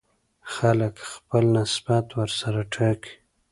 خلک خپل نسبت ورسره وټاکي.